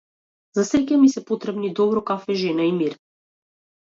За среќа ми се потребни добро кафе, жена и мир.